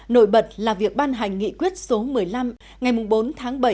nổi bật là việc ban hành nghị quyết số một mươi năm ngày bốn tháng bảy